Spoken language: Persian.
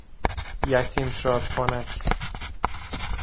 یتیم شاد کنک